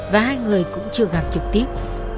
và hai người cũng chưa gặp trực tiếp